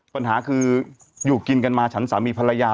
ปัญหาคืออยู่กินกันมาฉันสามีภรรยา